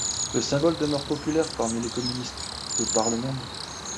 Le symbole demeure populaire parmi les communistes de par le monde.